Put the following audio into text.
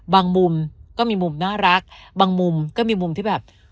มุมก็มีมุมน่ารักบางมุมก็มีมุมที่แบบ